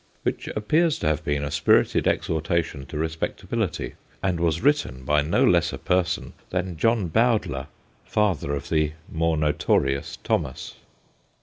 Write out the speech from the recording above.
which appears to have been a spirited exhortation to respectability, and was written by no less a person than John Bowdler, father of the more notorious Thomas.